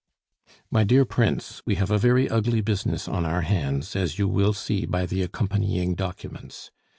"MY DEAR PRINCE, We have a very ugly business on our hands, as you will see by the accompanying documents.